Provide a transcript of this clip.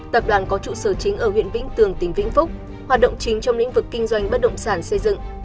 tập đoàn có trụ sở chính ở huyện vĩnh tường tỉnh vĩnh phúc hoạt động chính trong lĩnh vực kinh doanh bất động sản xây dựng